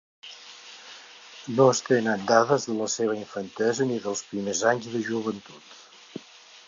No es tenen dades de la seva infantesa ni dels primers anys de joventut.